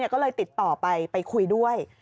ก็เลยติดต่อไปไปคุยด้วย